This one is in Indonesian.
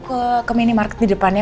ke minimarket di depannya